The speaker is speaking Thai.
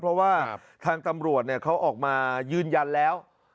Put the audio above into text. เพราะว่าทางตำรวจเขาออกมายืนยันแล้ว